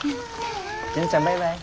樹奈ちゃんバイバイ。